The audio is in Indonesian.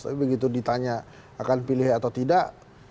tapi begitu ditanya akan pilih atau tidak